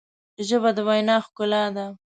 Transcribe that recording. ژبه د وینا ښکلا ده